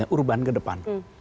urban ke depan